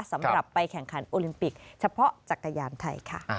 สำหรับไปแข่งขันโอลิมปิกเฉพาะจักรยานไทยค่ะ